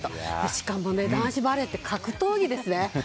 しかも、男子バレーって格闘技ですね。